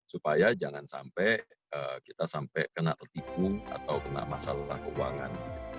supaya jangan sampai kita sampai kena tertipu atau kena masalah keuangan